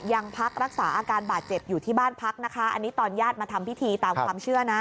ยังพักรักษาอาการบาดเจ็บอยู่ที่บ้านพักนะคะอันนี้ตอนญาติมาทำพิธีตามความเชื่อนะ